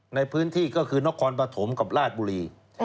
ในพื้นที่ก็คือนครปฐมกับราชบุรี